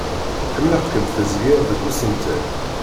Ḥemmleɣ-kem tezgiḍ deg usentel.